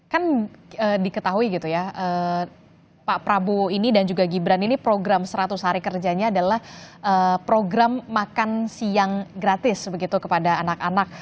kan diketahui gitu ya pak prabowo ini dan juga gibran ini program seratus hari kerjanya adalah program makan siang gratis begitu kepada anak anak